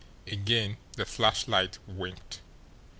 Again the flashlight winked.